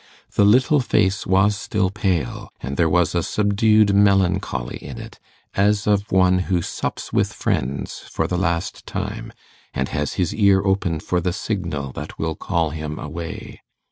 The little face was still pale, and there was a subdued melancholy in it, as of one who sups with friends for the last time, and has his ear open for the signal that will call him away.